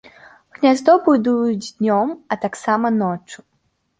Гняздо будуюць днём, а таксама ноччу.